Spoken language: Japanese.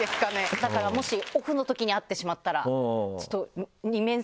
だからもしオフのときに会ってしまったら。